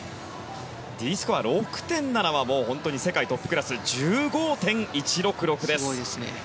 Ｄスコア、６．７は世界トップクラス。１５．１６６です。